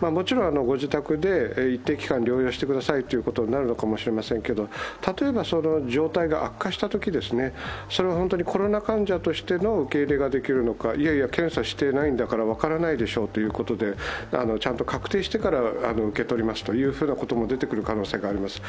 もちろんご自宅で一定期間、療養してくださいということになるのかもしれませんけど例えば状態が悪化したとき、本当にコロナ患者としての受け入れができるのかいやいや検査していないんだから分からないでしょうと、ちゃんと確定してから受け取りますということも出てくる可能性があります。